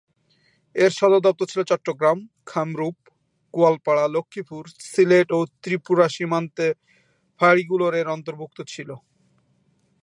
এর সদর দপ্তর ছিল চট্টগ্রাম; কামরূপ, গোয়ালপাড়া, লক্ষ্মীপুর, সিলেট ও ত্রিপুরা সীমান্ত-ফাঁড়িগুলো এর অন্তর্ভুক্ত ছিল।